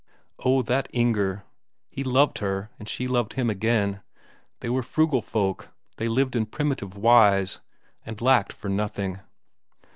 Oh, that Inger; he loved her and she loved him again; they were frugal folk; they lived in primitive wise, and lacked for nothing.